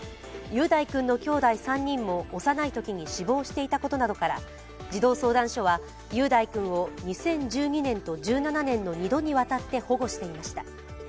雄大君のきょうだい３人も幼いときに死亡していたことなどから児童相談所は雄太君を２０１２年と１７年の２度にわたって保護していました。